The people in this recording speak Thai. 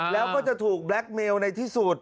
แล้วก็จะถูกแบล็คเมลในที่สุด